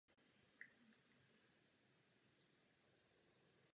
Po skončení sportovní kariéry se věnoval politické práci.